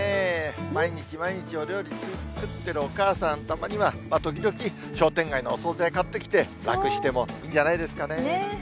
毎日毎日、お料理作ってるお母さん、たまには、時々、商店街のお総菜買ってきて、楽してもいいんじゃないですかね。